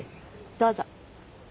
どうぞ。